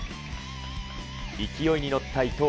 勢いに乗った伊藤。